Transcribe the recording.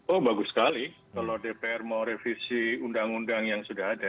oh bagus sekali kalau dpr mau revisi undang undang yang sudah ada